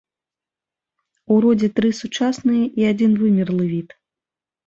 У родзе тры сучасныя і адзін вымерлы від.